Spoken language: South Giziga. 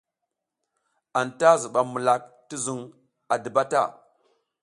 Anta zuɓam mulak ti zuƞ a diba ta.